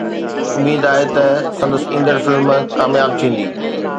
اميد آهي ته سندس ايندڙ فلم ڪامياب ٿيندي